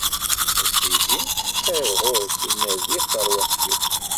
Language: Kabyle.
A Sidi, ar ɣur-k i n-rriɣ tarwiḥt-iw!